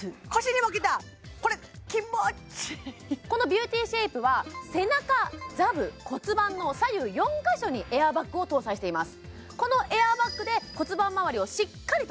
このビューティーシェイプは背中座部骨盤の左右４か所にエアバッグを搭載しています